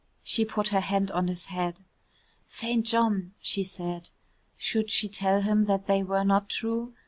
She put her hand on his head. "St. John," she said. Should she tell him that they were not true?